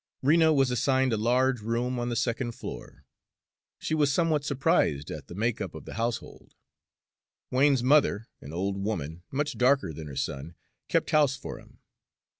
Rena was assigned a large room on the second floor. She was somewhat surprised at the make up of the household. Wain's mother an old woman, much darker than her son kept house for him.